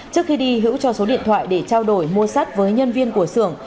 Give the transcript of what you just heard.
trước khi đi hữu cho số điện thoại để trao đổi mua sắt với nhân viên của sưởng